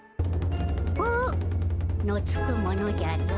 「ぷ」のつくものじゃぞ。